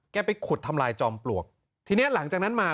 ไปขุดทำลายจอมปลวกทีนี้หลังจากนั้นมา